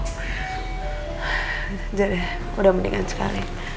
udah udah udah mendingan sekali